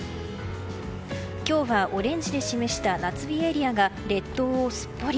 今日はオレンジ色で示した夏日エリアが列島をすっぽり。